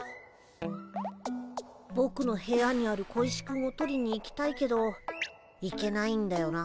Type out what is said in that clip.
ぼくの部屋にある小石くんを取りに行きたいけど行けないんだよな。